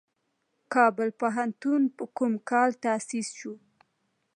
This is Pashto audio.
کابل پوهنتون په کوم کال تاسیس شو؟